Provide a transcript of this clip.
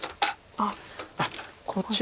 あっこっちから。